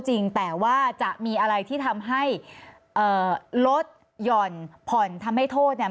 จริงแต่ว่าจะมีอะไรที่ทำให้เอ่อลดหย่อนผ่อนทำให้โทษเนี่ย